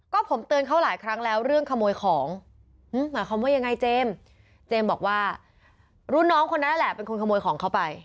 ก็ผมเตือนเขาหลายครั้งแล้วเรื่องขโมยของ